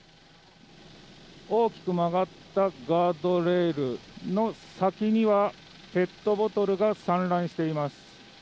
大きく曲がったガードレールの先にはペットボトルが散乱しています。